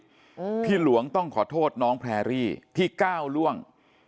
อืมพี่หลวงต้องขอโทษน้องแพรรี่ที่ก้าวล่วง